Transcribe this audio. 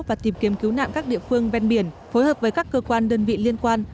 và tìm kiếm cứu nạn các địa phương ven biển phối hợp với các cơ quan đơn vị liên quan